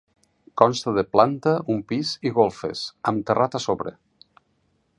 Consta de planta, un pis i golfes, amb terrat a sobre.